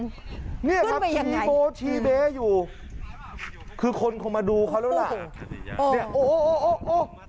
ขึ้นไปยังไงนี่ครับชีโบ๊ทชีเบ๊อยู่คือคนคงมาดูเขาแล้วล่ะโอ้โหโอ้โห